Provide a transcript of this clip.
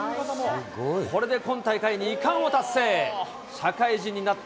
これで今大会２冠を達成。